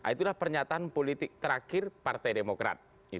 itulah pernyataan politik terakhir partai demokrat